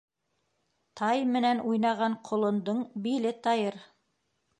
Тай менән уйнаған ҡолондоң биле тайыр.